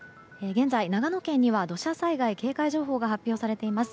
現在、長野県には土砂災害警戒情報が発表されています。